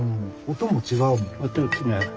音も違う。